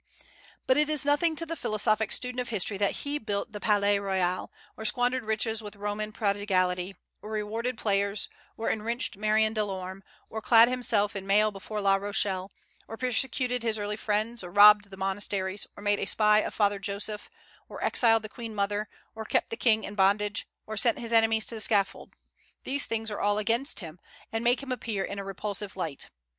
But it is nothing to the philosophic student of history that he built the Palais Royal, or squandered riches with Roman prodigality, or rewarded players, or enriched Marion Delorme, or clad himself in mail before La Rochelle, or persecuted his early friends, or robbed the monasteries, or made a spy of Father Joseph, or exiled the Queen mother, or kept the King in bondage, or sent his enemies to the scaffold: these things are all against him, and make him appear in a repulsive light.